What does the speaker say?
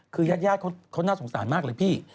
คือญาติเขาน่าสงสารมากเลยพี่